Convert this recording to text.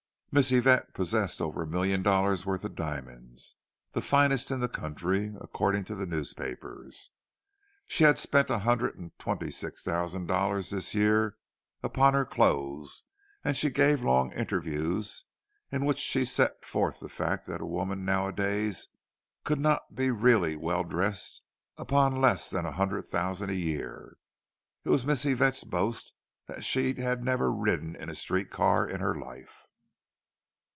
Miss Yvette possessed over a million dollars' worth of diamonds—the finest in the country, according to the newspapers; she had spent a hundred and twenty six thousand dollars this year upon her clothes, and she gave long interviews, in which she set forth the fact that a woman nowadays could not really be well dressed upon less than a hundred thousand a year. It was Miss Yvette's boast that she had never ridden in a street car in her life.